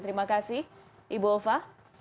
terima kasih ibu ulfa